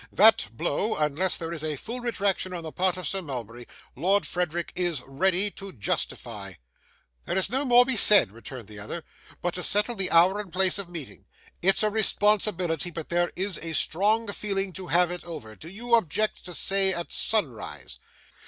That blow, unless there is a full retraction on the part of Sir Mulberry, Lord Frederick is ready to justify.' 'There is no more to be said,' returned the other, 'but to settle the hour and the place of meeting. It's a responsibility; but there is a strong feeling to have it over. Do you object to say at sunrise?